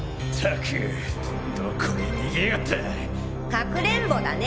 かくれんぼだね。